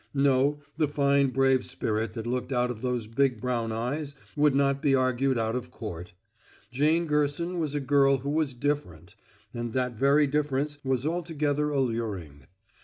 No, the fine brave spirit that looked out of those big brown eyes would not be argued out of court. Jane Gerson was a girl who was different, and that very difference was altogether alluring.